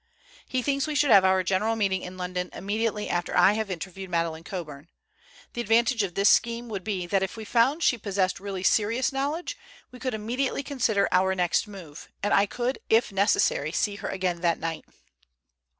He thinks we should have our general meeting in London immediately after I have interviewed Madeleine Coburn. The advantage of this scheme would be that if we found she possessed really serious knowledge, we could immediately consider our next move, and I could, if necessary, see her again that night.